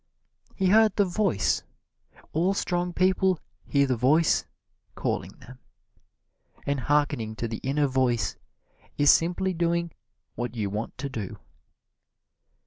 He heard the "Voice"! All strong people hear the Voice calling them. And harkening to the Inner Voice is simply doing what you want to do.